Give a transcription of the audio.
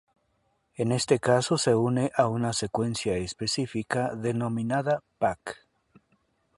En este caso se une a una secuencia específica denominada "pac".